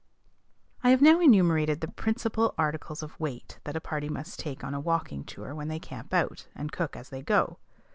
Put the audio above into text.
I have now enumerated the principal articles of weight that a party must take on a walking tour when they camp out, and cook as they go.